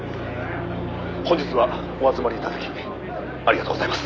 「本日はお集まり頂きありがとうございます」